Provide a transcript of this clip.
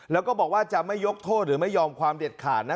แล้วก็บอกว่าจะไม่ยกโทษหรือไม่ยอมความเด็ดขาดนะ